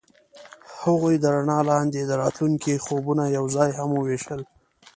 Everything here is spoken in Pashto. هغوی د رڼا لاندې د راتلونکي خوبونه یوځای هم وویشل.